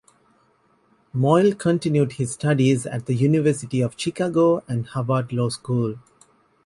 Moyle continued his studies at the University of Chicago and Harvard Law School.